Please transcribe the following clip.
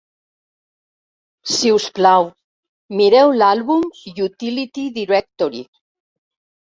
Si us plau, mireu l'àlbum Utility Directory.